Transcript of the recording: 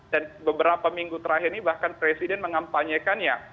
dan beberapa minggu terakhir ini bahkan presiden mengampanyakannya